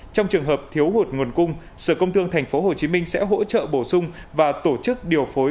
trong trường hợp thiếu hụt nguồn cung sở công thương tp hcm sẽ hỗ trợ bổ sung và tổ chức điều phối